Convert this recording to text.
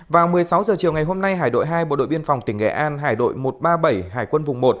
vào một mươi sáu h chiều ngày hôm nay hải đội hai bộ đội biên phòng tỉnh nghệ an hải đội một trăm ba mươi bảy hải quân vùng một